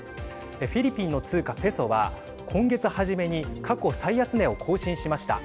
フィリピンの通貨ペソは今月初めに過去最安値を更新しました。